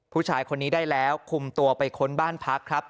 ผู้ชายคนนี้ได้แล้วคุมตัวไปค้นบ้านพักครับ